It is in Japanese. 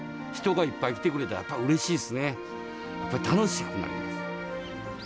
人がいっぱい来てくれたらうれしいっすねやっぱ楽しくなります